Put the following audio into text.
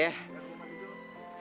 ya aku mau ganti dulu